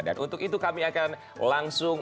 dan untuk itu kami akan langsung